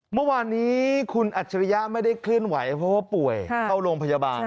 เมื่อวานนี้คุณอัจฉริยะไม่ได้เคลื่อนไหวเพราะว่าป่วยเข้าโรงพยาบาล